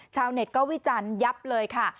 ชาวเน็ตก็วิจารณ์ยับเลยค่ะ